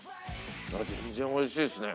全然美味しいですね。